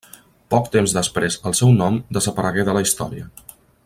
Poc temps després el seu nom desaparegué de la història.